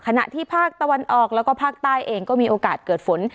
ขณะที่ภาคตะวันออกแล้วก็ภาคใต้เองก็มีโอกาสเกิดฝน